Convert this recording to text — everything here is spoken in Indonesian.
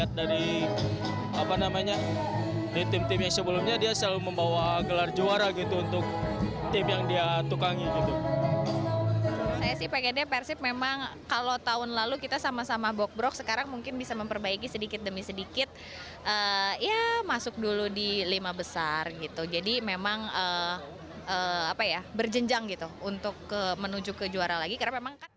perkenalan pelatih yang sebelumnya memiliki target membangun tim persib yang baru ini memiliki target membangun tim persib yang baru ini memiliki target membangun tim persib yang baru ini